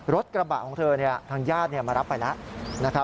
รถกระบะของเธอทางญาติมารับไปแล้ว